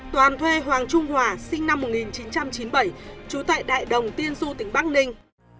toàn thuê hoàng trung hòa sinh năm một nghìn chín trăm chín mươi bảy trú tại đại đồng tiên du tỉnh bắc ninh